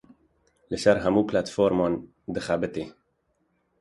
Li ser hemû platforman dixebite.